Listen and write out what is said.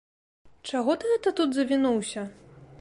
Чаго ты гэта тут завінуўся?